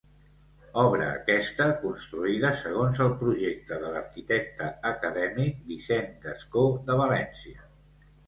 Obra aquesta construïda segons el projecte de l'arquitecte acadèmic Vicent Gascó de València.